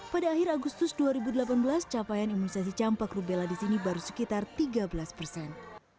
pada akhir agustus dua ribu delapan belas capaian imunisasi campak rubella di sini baru sekitar tiga belas persen